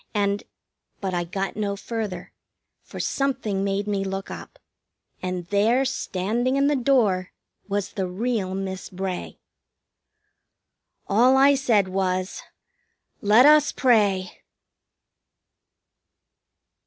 And " But I got no further, for something made me look up, and there, standing in the door, was the real Miss Bray. All I said was "Let us pray!"